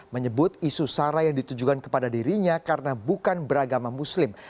menyebut isu sara yang ditujukan kepada dirinya karena bukan beragama muslim